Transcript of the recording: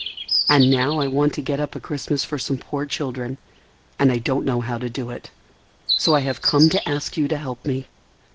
And now I want to get up a Christmas for some poor children, and I don't know how to do it, so I have come to ask you to help me.